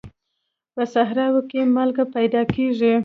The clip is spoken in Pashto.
په صحراوو کې مالګه پیدا کېږي.